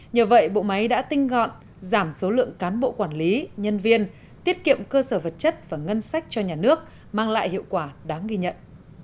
nhờ vậy bộ máy đã tinh gọn giảm số lượng cán bộ quản lý nhân viên tiết kiệm cơ sở vật chất và ngân sách cho nhà nước mang lại hiệu quả đáng ghi nhận